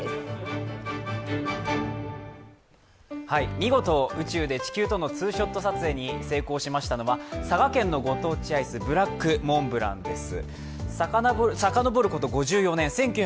見事、宇宙で地球とのツーショット写真の撮影に成功したのは佐賀県のご当地アイス・ブラックモンブランです。